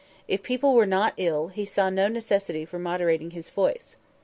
If people were not ill, he saw no necessity for moderating his voice.